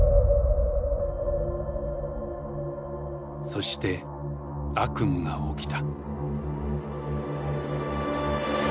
そして悪夢が起きた。